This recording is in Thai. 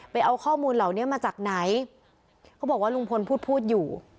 เอาข้อมูลเหล่านี้มาจากไหนเขาบอกว่าลุงพลพูดพูดอยู่